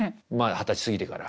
二十歳過ぎてから。